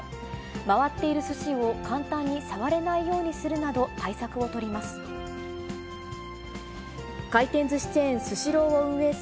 回っているすしを簡単に触れないようにするなど、対策を取ります。